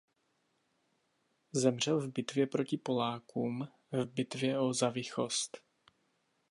Zemřel v bitvě proti Polákům v bitvě o Zawichost.